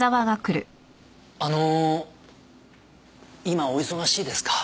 あの今お忙しいですか？